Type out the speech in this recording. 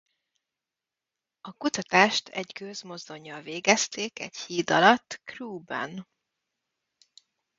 A kutatást egy gőzmozdonnyal végezték egy híd alatt Crewe-ben.